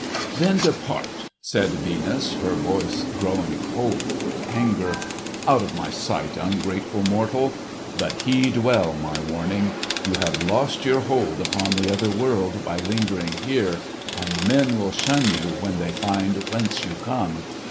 "Then depart!" said Venus, her voice growing cold with anger. "Out of my sight, ungrateful mortal! But heed well my warning. You have lost your hold upon the other world by lingering here, and men will shun you when they find whence you come.